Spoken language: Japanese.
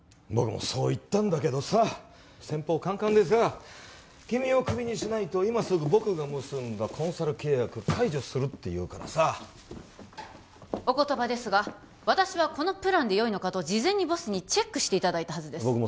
僕もそう言ったんだけどさ先方カンカンでさ君をクビにしないと今すぐ僕が結んだコンサル契約解除するっていうからさお言葉ですが私はこのプランでよいのかと事前にボスにチェックしていただいたはずです